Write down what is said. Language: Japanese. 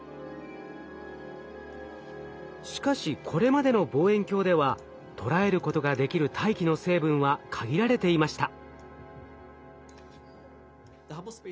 しかしこれまでの望遠鏡では捉えることができる大気の成分は限られていました。